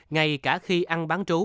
ngay cả khi ăn bán trú